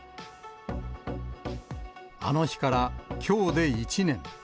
あの日から、きょうで１年。